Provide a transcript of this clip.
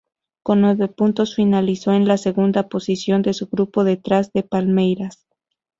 Con nueve puntos, finalizó en la segunda posición de su grupo, detrás de Palmeiras.